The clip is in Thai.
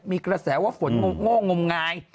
มีกระแสว่าฝนโง่งมงาย